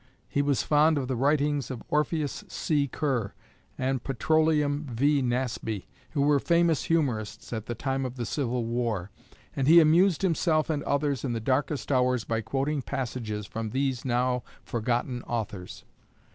He was fond of the writings of "Orpheus C. Kerr" and "Petroleum V. Nasby," who were famous humorists at the time of the Civil War; and he amused himself and others in the darkest hours by quoting passages from these now forgotten authors.